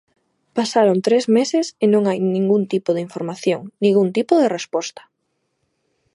Pasaron tres meses e non hai ningún tipo de información, ningún tipo de resposta.